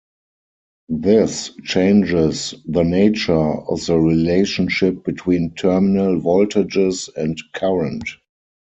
This changes the nature of the relationship between terminal voltages and current.